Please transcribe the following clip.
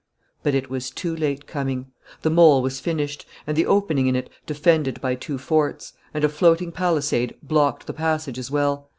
But it was too late coming; the mole was finished, and the opening in it defended by two forts; and a floating palisade blocked the passage as well.